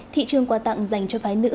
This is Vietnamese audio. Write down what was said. thị trường quà tặng dành cho phái nữ